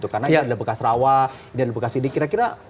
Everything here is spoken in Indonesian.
karena ini adalah bekas rawa ini adalah bekas ini